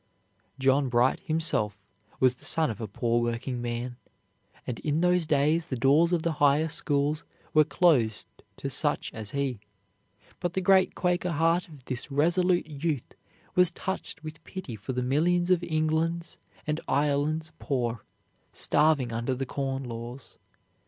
John Bright himself was the son of a poor working man, and in those days the doors of the higher schools were closed to such as he; but the great Quaker heart of this resolute youth was touched with pity for the millions of England's and Ireland's poor, starving under the Corn Laws.